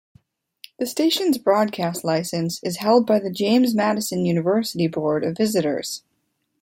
The station's broadcast license is held by the James Madison University Board of Visitors.